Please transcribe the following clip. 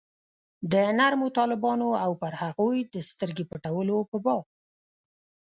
د نرمو طالبانو او پر هغوی د سترګې پټولو په باب.